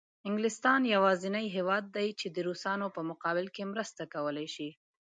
انګلستان یوازینی هېواد دی چې د روسانو په مقابل کې مرسته کولای شي.